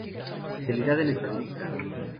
Especialidad en Estadística